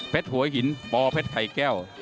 เผ็ดหัวหินปอเผ็ดไข่แก้ว